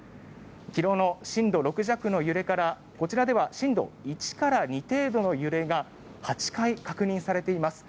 昨日の震度６弱の揺れからこちらでは震度１から２程度の揺れが８回確認されています。